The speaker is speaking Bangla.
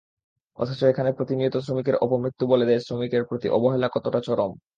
অথচ এখানে প্রতিনিয়ত শ্রমিকের অপমৃত্যু বলে দেয় শ্রমিকের প্রতি অবহেলা কতটা চরম।